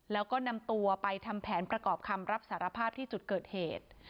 แล้วก็นำตัวไปทำแผนประกอบคำรับสารภาพที่จุดเกิดเหตุ